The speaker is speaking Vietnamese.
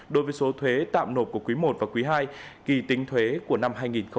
đối với số thuế tạm nộp của quý một và quý hai kỳ tính thuế của năm hai nghìn hai mươi ba